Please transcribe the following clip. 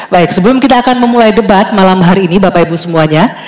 baik sebelum kita akan memulai debat malam hari ini bapak ibu semuanya